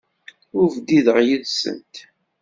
Ur bdideɣ yid-sent.